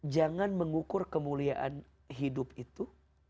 jangan mengukur kemuliaan hidup itu